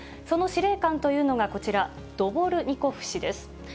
その司令官というのがこちら、ドボルニコフ氏です。